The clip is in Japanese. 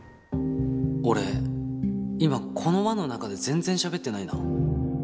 俺今この輪の中で全然しゃべってないな。